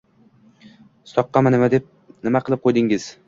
Soqqamni nima qilib qo‘ydingiz?